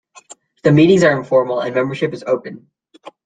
The meetings are informal, and membership is open.